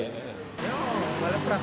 ya paling berat